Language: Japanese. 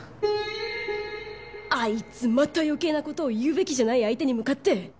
あいつまた余計な事を言うべきじゃない相手に向かって！